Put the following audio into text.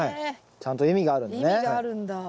ちゃんと意味があるんだね。